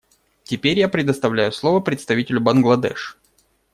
Теперь я предоставляю слово представителю Бангладеш.